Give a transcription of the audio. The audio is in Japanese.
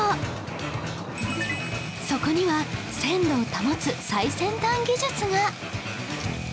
そこには鮮度を保つ最先端技術が！